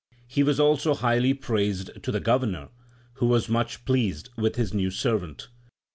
He was also highly praised to the Governor, who was much pleased with his new servant.